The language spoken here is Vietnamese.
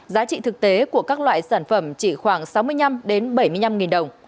giá trị thực tế của các loại sản phẩm chỉ khoảng sáu mươi năm bảy mươi năm đồng